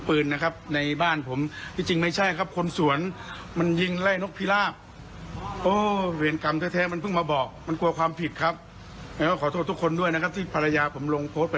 เพราะว่าจริงก็เป็นความเข้าใจผิดล่ะ